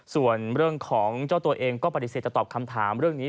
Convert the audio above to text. ส่วนเรื่องของเจ้าตัวเองก็ปฏิเสธจะตอบคำถามเรื่องนี้